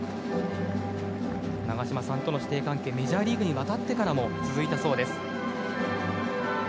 長嶋さんとの師弟関係メジャーリーグに渡ってからも続いたそうです。